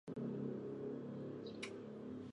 Knobby Walsh dibawakan oleh Frank Readick dan Hal Lansing.